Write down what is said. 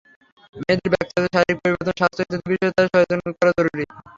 মেয়েদের ব্যক্তিগত শারীরিক পরিবর্তন, স্বাস্থ্য ইত্যাদি বিষয়ে তাদের সচেতন করা জরুরি।